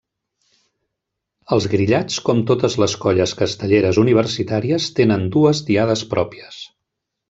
Els Grillats com totes les colles castelleres universitàries tenen dues diades pròpies.